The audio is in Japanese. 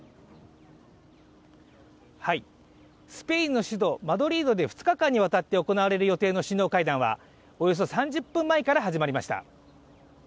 スペインの首都マドリードで２日間にわたって行われる予定の首脳会談は、およそ３０分前から始まりました。